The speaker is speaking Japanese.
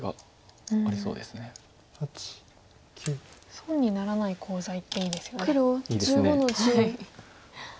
損にならないコウ材っていいですよね。